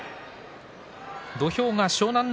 土俵が湘南乃